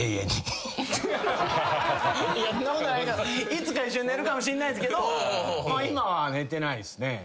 いつか一緒に寝るかもしんないんすけどまあ今は寝てないっすね。